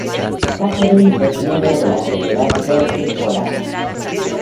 Catherine es miembro de la Sociedad Tolkien Polaca.